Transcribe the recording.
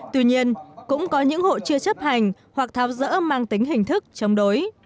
tuy nhiên cũng có những hộ chưa chấp hành hoặc tháo rỡ mang tính hình thức chống đối